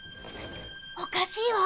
おかしいわ。